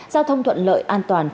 giao thông thuận lợi an toàn